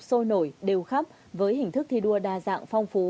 sôi nổi đều khắp với hình thức thi đua đa dạng phong phú